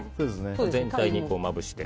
全体にまぶして。